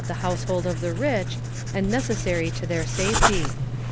321 the household of the rich, and necessary to their safety.